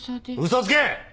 嘘つけ！